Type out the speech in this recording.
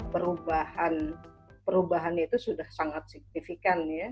perubahan itu sudah sangat signifikan ya